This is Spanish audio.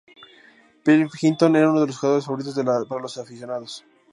Pilkington era uno de los jugadores favoritos para los aficionados.